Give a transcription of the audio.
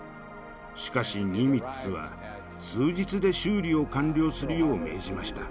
しかしニミッツは数日で修理を完了するよう命じました。